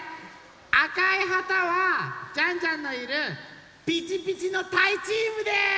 あかいはたはジャンジャンのいるピチピチの「たいチーム」です！